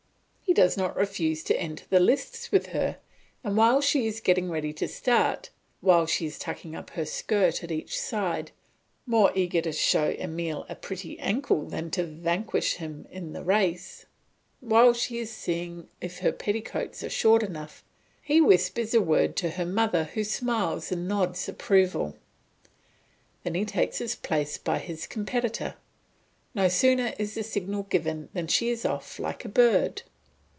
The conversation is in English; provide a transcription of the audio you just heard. He does not refuse to enter the lists with her, and while she is getting ready to start, while she is tucking up her skirt at each side, more eager to show Emile a pretty ankle than to vanquish him in the race, while she is seeing if her petticoats are short enough, he whispers a word to her mother who smiles and nods approval. Then he takes his place by his competitor; no sooner is the signal given than she is off like a bird.